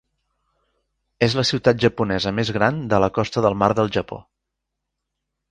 És la ciutat japonesa més gran de la costa del mar del Japó.